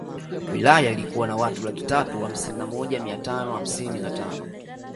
Wilaya ilikuwa na watu laki tatu hamsini na moja mia tano hamsini na tano